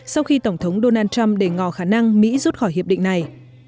sau khi tổng thống donald trump để ngò khả năng mỹ rút khỏi hiệp định này